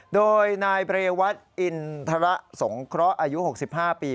โดยนายเรวัตอินทรสงเคราะห์อายุ๖๕ปี